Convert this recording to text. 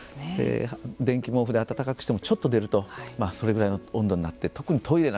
電気毛布で暖かくしてもちょっと出るとそれぐらいの温度になって特にトイレだと